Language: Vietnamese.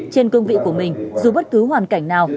trên cương vị của mình dù bất cứ hoàn cảnh nào